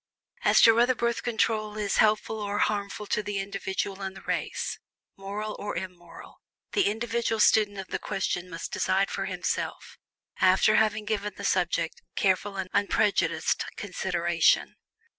As to whether Birth Control is helpful or harmful to the individual and the race moral or immoral the individual student of the question must decide for himself after having given the subject careful and unprejudiced consideration.